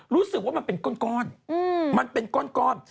รู้สึกว่ามันเป็นก้อน